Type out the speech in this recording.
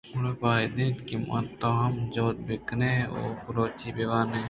گُڑا باید اِنت من ءُ تو ھم جُھد بہ کن ایں ءُ بلوچی بہ وان ایں.